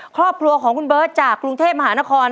ครอบครัวของคุณเบิร์ตจากกรุงเทพมหานคร